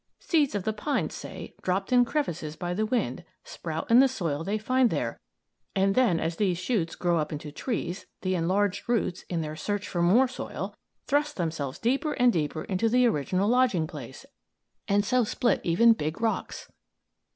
Seeds of the pines, say, dropped in crevices by the wind, sprout in the soil they find there, and then, as these shoots grow up into trees, the enlarged roots, in their search for more soil, thrust themselves deeper and deeper into the original lodging place, and so split even big rocks.